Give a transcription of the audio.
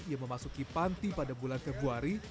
ia memasuki panti pada bulan februari